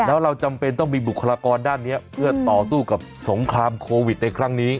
แล้วเราจำเป็นต้องมีบุคลากรด้านนี้เพื่อต่อสู้กับสงครามโควิดในครั้งนี้